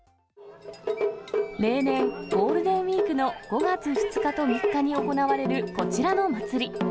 例年、ゴールデンウィークの５月２日と３日に行われるこちらの祭り。